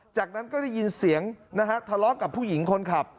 จากนั้นก็ได้ยินเสียงนะฮะทะเลาะกับผู้หญิงคนขับ